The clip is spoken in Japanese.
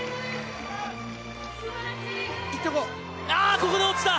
ここで落ちた！